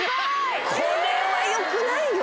これはよくないよ！